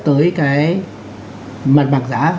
tới cái mặt bạc giá